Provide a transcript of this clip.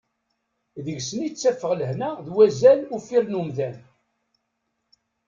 Deg-sen i ttafeɣ lehna d wazal uffir n umdan.